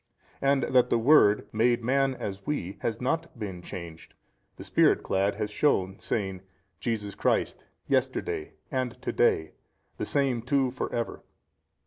And that the Word made man |279 as we has not been changed, the Spirit clad has shewn saying, Jesus Christ yesterday and to day, the Same too for ever.